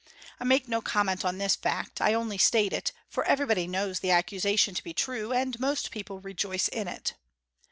I make no comment on this fact; I only state it, for everybody knows the accusation to be true, and most people rejoice in it.